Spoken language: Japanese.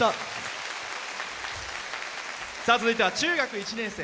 続いては中学１年生。